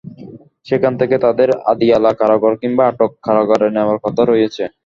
সেখান থেকে তাঁদের আদিয়ালা কারাগার কিংবা অ্যাটক কারাগারে নেওয়ার কথা রয়েছে।